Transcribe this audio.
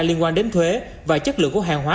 liên quan đến thuế và chất lượng của hàng hóa